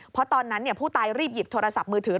เพราะตอนนั้นผู้ตายรีบหยิบโทรศัพท์มือถือ